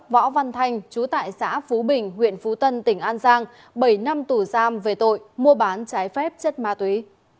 võ văn thanh chú tại xã phú bình huyện phú tân tỉnh an giang bảy năm tù giam về tội mua bán trái phép chất ma túy